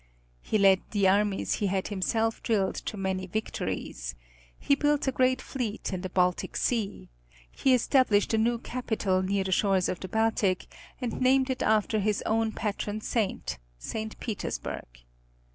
He led the armies he had himself drilled to many victories. He built a great fleet in the Baltic Sea. He established a new capital near the shores of the Baltic, and named it after his own patron saint, St. Petersburg.